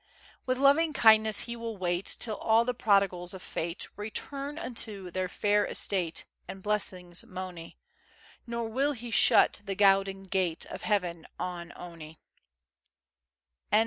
With loving kindness will he wait, Till all the prodigals o' fate Return unto their fair estate, And blessings mony; Nor will he shut the gowden gate Of Heaven on ony.